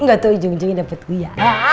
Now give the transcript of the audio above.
gak tau ijung ijungnya dapet gua ya